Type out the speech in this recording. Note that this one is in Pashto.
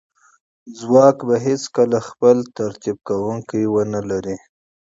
ځواک به هیڅکله خپل تالیف کونکی ونه لري